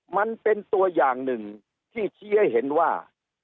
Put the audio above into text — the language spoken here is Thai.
มันเป็นตัวอย่างหนึ่งที่ชี้ให้เห็นว่า